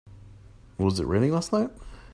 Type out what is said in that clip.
Was it raining last night?